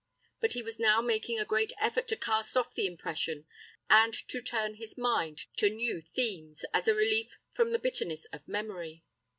But he was now making a great effort to cast off the impression, and to turn his mind to new themes, as a relief from the bitterness of memory.